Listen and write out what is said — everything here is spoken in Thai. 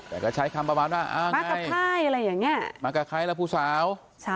แต่ก็ใช้คำประมาณว่ามากับใครนะผู้สาว